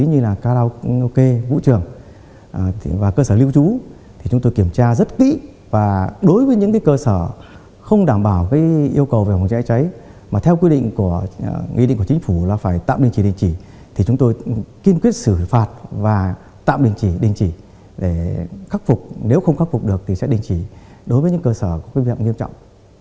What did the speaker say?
nếu không khắc phục được thì sẽ đình chỉ đối với những cơ sở có quyết định nghiêm trọng